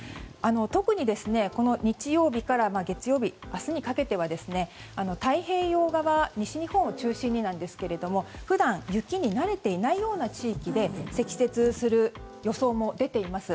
特に日曜日から月曜日、明日にかけては西日本の太平洋側を中心にですが普段、雪に慣れていないような地域で積雪する予想も出ています。